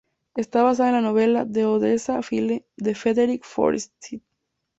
Está basada en la novela "The Odessa File" de Frederick Forsyth.